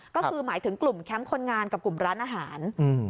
ก็คือหมายถึงกลุ่มแคมป์คนงานกับกลุ่มร้านอาหาร